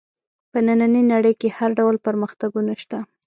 په نننۍ نړۍ کې هر ډول پرمختګونه شته.